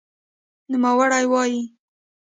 نوموړی وایي،